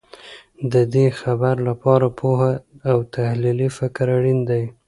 د دې خبر لپاره پوهه او تحلیلي فکر اړین دی.